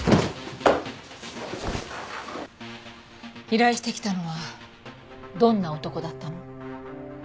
依頼してきたのはどんな男だったの？